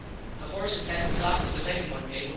"] The horses has the softest of anyone, Mable.